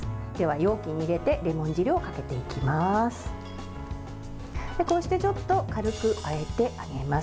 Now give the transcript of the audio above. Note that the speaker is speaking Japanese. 容器に入れてレモン汁をかけていきます。